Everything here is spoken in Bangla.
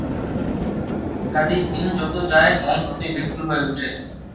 কাজেই দিন যত যায় মন ততই ব্যাকুল হয়ে ওঠে।